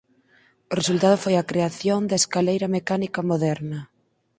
O resultado foi a creación da escaleira mecánica moderna.